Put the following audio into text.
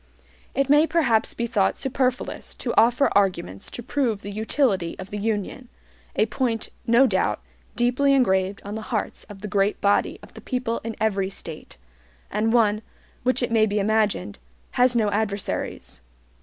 It may perhaps be thought superfluous to offer arguments to prove the utility of the UNION, a point, no doubt, deeply engraved on the hearts of the great body of the people in every State, and one, which it may be imagined, has no adversaries.